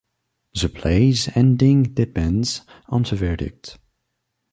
The play's ending depends on the verdict.